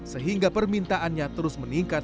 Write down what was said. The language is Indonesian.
sehingga permintaannya terus meningkat